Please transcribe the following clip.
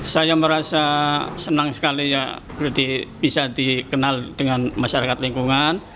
saya merasa senang sekali ya bisa dikenal dengan masyarakat lingkungan